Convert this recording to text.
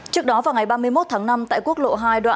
trước đó vào ngày ba mươi một tháng năm tại quốc lộ hai đoạn